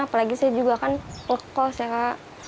apalagi saya juga kan lekos ya kak